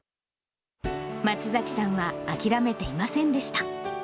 松崎さんは諦めていませんでした。